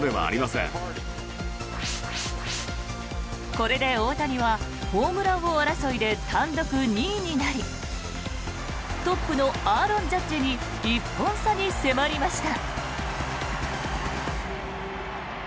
これで大谷はホームラン王争いで単独２位になりトップのアーロン・ジャッジに１本差に迫りました。